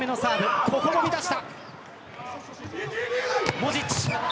モジッチ。